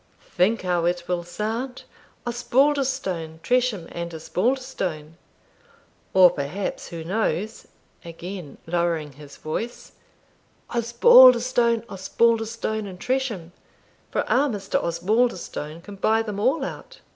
Think how it will sound, Osbaldistone, Tresham, and Osbaldistone or perhaps, who knows" (again lowering his voice), "Osbaldistone, Osbaldistone, and Tresham, for our Mr. Osbaldistone can buy them all out."